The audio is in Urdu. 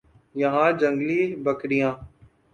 یہاں جنگلی بکریاں